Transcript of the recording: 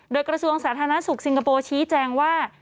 โดยกระทรวงสาธารณสุขสิงคโปร์ชี้แจงว่า